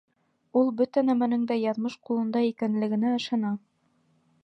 Ул бөтә нәмәнең дә яҙмыш ҡулында икәнлегенә ышана.